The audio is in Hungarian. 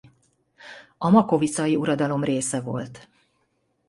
A makovicai uradalom része volt.